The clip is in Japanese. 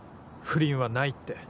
不倫はないって。